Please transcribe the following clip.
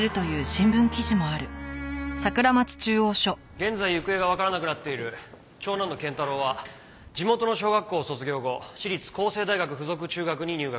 現在行方がわからなくなっている長男の賢太郎は地元の小学校を卒業後私立光世大学附属中学に入学。